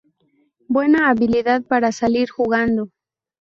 Buena habilidad para salir jugando.